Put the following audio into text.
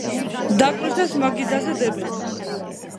დაკვრისას მაგიდაზე დებენ.